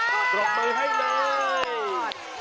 ตอบไปให้เลย